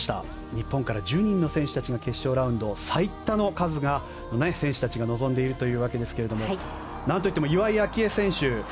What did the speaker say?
日本から１０人の選手たちが決勝ラウンド最多の数の選手たちが臨んでいるわけですがなんといっても岩井明愛選手